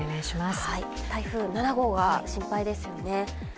台風７号が心配ですよね。